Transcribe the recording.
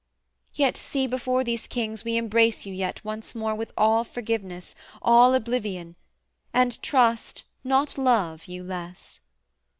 Yet see, Before these kings we embrace you yet once more With all forgiveness, all oblivion, And trust, not love, you less.